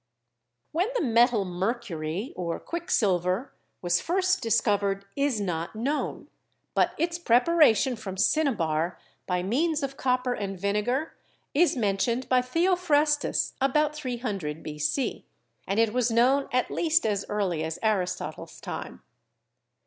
When the metal mercury, or quicksilver, was first dis covered is not known, but its preparation from cinnabar by means of copper and vinegar is mentioned by Theophras tus (about 300 b.c.) and it was known at least as early as Aristotle's time.